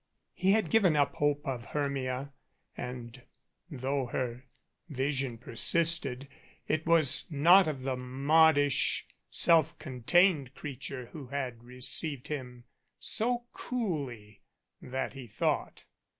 He had given up hope of Hermia, and though her vision persisted, it was not of the modish, self contained creature who had received him so coolly that he thought.